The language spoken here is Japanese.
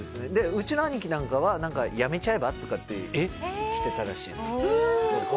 うちの兄貴なんかは辞めちゃえば？とかって来てたらしいです。